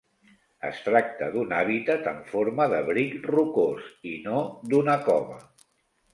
Es tracta d'un hàbitat en forma d'abric rocós, i no d'una cova.